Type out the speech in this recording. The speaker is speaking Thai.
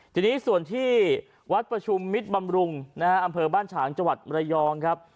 ทีนี้ส่วนที่วัดประชุมมิตรบำรุงนะฮะอำเภอบ้านฉางจังหวัดมรยองครับ